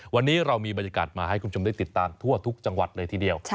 วันนี้เรามีบรรยากาศมาให้คุณผู้ชมได้ติดตามทั่วทุกจังหวัดเลยทีเดียว